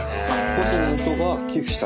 個人の人が寄付した。